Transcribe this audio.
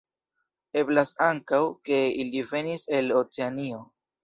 Eblas ankaŭ, ke ili venis el Oceanio.